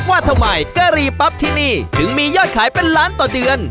ว่าทำไมกะหรี่ปั๊บที่นี่ถึงมียอดขายเป็นล้านต่อเดือน